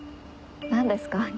何ですか？